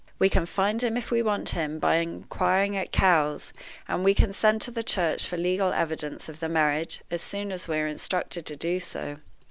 We can find him, if we want him, by inquiring at Cowes; and we can send to the church for legal evidence of the marriage as soon as we are instructed to do so.